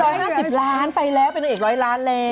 หนังก็ได้๑๕๐ล้านไปแล้วเป็นเอก๑๐๐ล้านแล้ว